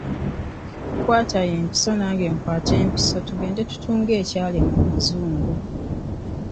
Kwata empiso nange nkwate empiso tugende tutunge ekyalema omuzungu.